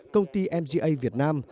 công ty mga việt nam